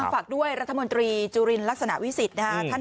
ฝากด้วยรัฐมนตรีจุลินลักษณะวิสิทธิ์นะครับ